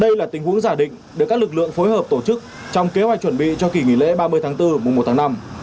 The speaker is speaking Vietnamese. đây là tình huống giả định được các lực lượng phối hợp tổ chức trong kế hoạch chuẩn bị cho kỷ nghỉ lễ ba mươi tháng bốn mùa một tháng năm